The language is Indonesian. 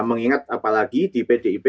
mengingat apalagi di pdip